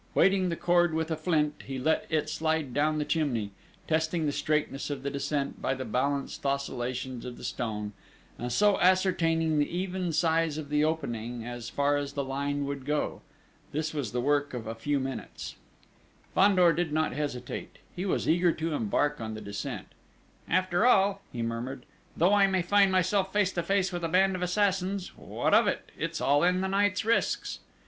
Weighting the cord with a flint, he let it slide down the chimney, testing the straightness of the descent by the balanced oscillations of the stone, and so ascertaining the even size of the opening, as far as the line would go. This was the work of a few minutes. Fandor did not hesitate: he was eager to embark on the descent. "After all," he murmured, "though I may find myself face to face with a band of assassins what of it? It is all in the night's risks!"